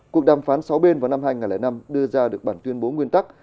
cuộc đàm phán sáu bên vào năm hai nghìn năm đưa ra được bản tuyên bố nguyên tắc